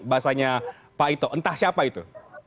bahasanya pak ito entah siapa itu